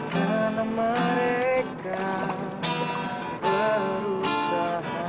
karena mereka berusaha